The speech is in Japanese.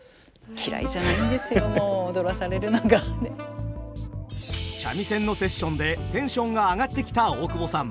あっ三味線のセッションでテンションが上がってきた大久保さん。